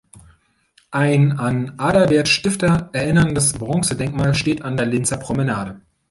Ein an Adalbert Stifter erinnerndes Bronzedenkmal steht an der Linzer Promenade.